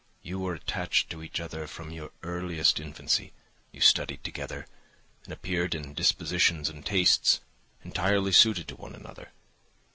You were attached to each other from your earliest infancy; you studied together, and appeared, in dispositions and tastes, entirely suited to one another.